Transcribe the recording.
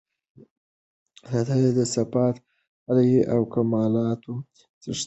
الله تعالی د صفات العُلی او کمالاتو څښتن دی